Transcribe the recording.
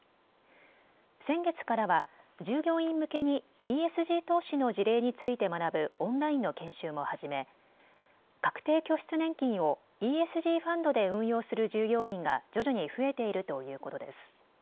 先月からは従業員向けにＥＳＧ投資の事例について学ぶオンラインの研修も始め確定拠出年金をＥＳＧファンドで運用する従業員が徐々に増えているということです。